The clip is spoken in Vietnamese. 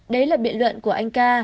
đấy là biện luận của anh ca